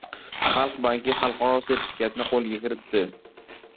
Xalq banki xalqaro sertifikatni qo‘lga kiritdi